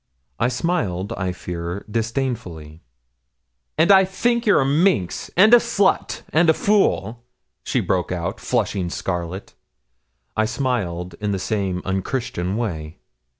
I smiled, I fear, disdainfully. 'And I think you're a minx, and a slut, and a fool,' she broke out, flushing scarlet. I smiled in the same unchristian way.